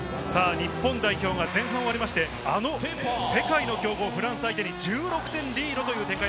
日本代表が前半を終わりまして、あの世界の強豪・フランス相手に１６点リードという展開。